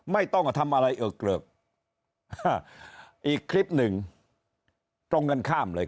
ไม่ต้องทำอะไรเอิกเกลิกอีกคลิปหนึ่งตรงกันข้ามเลย